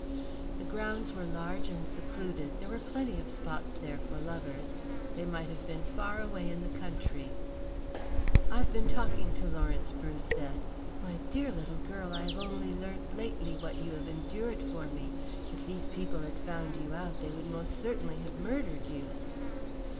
The grounds were large and secluded; there were plenty of spots there for lovers. They might have been far away in the country. "I have been talking to Lawrence," Bruce said. "My dear little girl, I have only learnt lately what you have endured for me. If these people had found you out they would most certainly have murdered you."